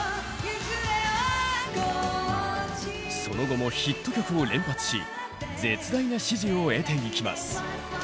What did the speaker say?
その後もヒット曲を連発し絶大な支持を得ていきます。